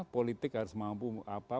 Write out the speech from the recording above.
politik harus mampu apa